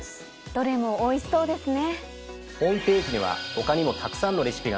どれもおいしそうですね。